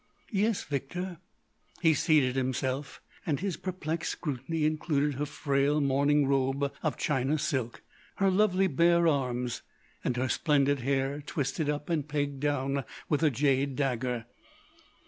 "Yes, Victor." He seated himself, and his perplexed scrutiny included her frail morning robe of China silk, her lovely bare arms, and her splendid hair twisted up and pegged down with a jade dagger.